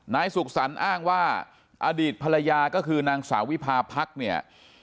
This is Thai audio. นายสุขสรรค์อ้างว่าอดีตภรรยาก็คือนางสาววิพาพรรคเนี่ย